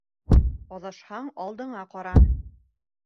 Аҙашһаң, алдыңа ҡара.